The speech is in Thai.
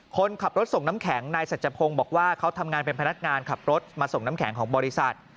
คนขับรถส่งน้ำแข็งนายสัจพงศ์บอกว่าเขาทำงานเป็นพนักงานขับรถมาส่งน้ำแข็งของบริษัท